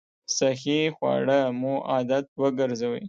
صحي خواړه مو عادت وګرځوئ!